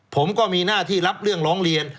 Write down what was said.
ผมก็มีหน้าที่รับเรื่องร้องเรียน